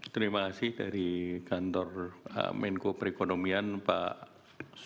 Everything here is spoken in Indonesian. terima kasih dari kantor menko perekonomian pak